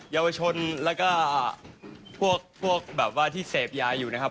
เยาวชนแล้วก็พวกแบบว่าที่เสพยาอยู่นะครับ